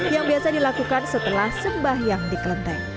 yang biasa dilakukan setelah sembah yang dikelenteng